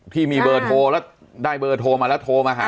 ที่มีเบอร์โทรแล้วได้เบอร์โทรมาแล้วโทรมาหา